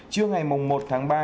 trước ngày mùng một tháng ba